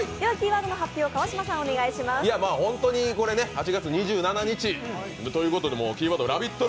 ８月２７日ということでキーワードは「ラヴィット！